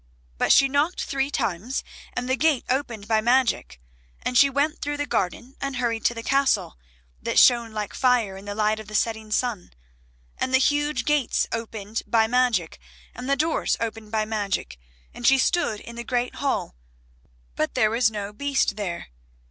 But she knocked three times and the gate opened by magic, and she went through the garden and hurried to the Castle, that shone like fire in the light of the setting sun. And the huge gates opened by magic, and the doors opened by magic, and she stood in the great hall, but there was no Beast there.